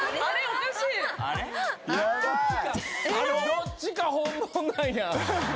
どっちか本物なんや。